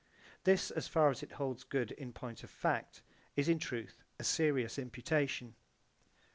This, as far as it holds good in point of fact, is in truth a serious imputation.